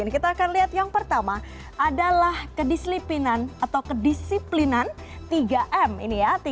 kita akan lihat yang pertama adalah kedisiplinan atau kedisiplinan tiga m ini ya